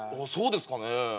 そうですかねぇ。